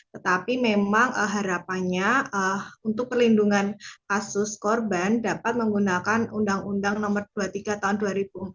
tetapi memang harapannya untuk perlindungan kasus korban dapat menggunakan undang undang nomor dua puluh tiga tahun dua ribu empat belas